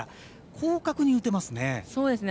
広角に打てますね。